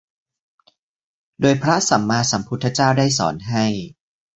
โดยพระสัมมาสัมพุทธเจ้าได้สอนให้